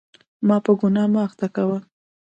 ما په ګناه مه اخته کوه.